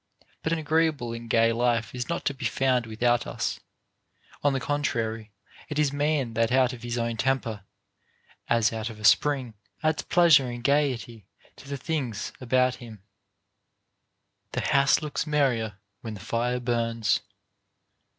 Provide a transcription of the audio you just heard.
But an agreeable and gay life is not to be found without us ; on the contrary, it is man that out of his own temper, as out of a spring, adds pleasure and gayety to the things about him : The house looks merrier wlien the fire burns.